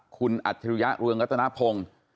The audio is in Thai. คุณอัธิริยะรวงตนพงศ์